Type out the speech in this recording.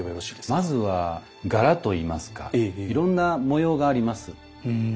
まずは柄といいますかいろんな模様があります。